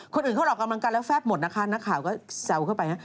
คนอื่นเขาออกกำลังกายแล้วแฟบหมดนะคะนักข่าวก็แซวเข้าไปนะ